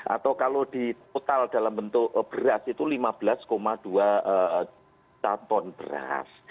atau kalau di total dalam bentuk beras itu lima belas dua juta ton beras